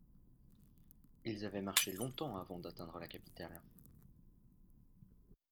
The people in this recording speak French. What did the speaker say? ils avaient marché longtemps avant d'atteindre la capitale.